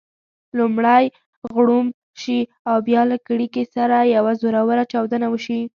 لومړی غړومب شي او بیا له کړېکې سره یوه زوروره چاودنه وشي.